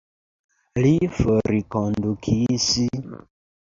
Li forkondukis?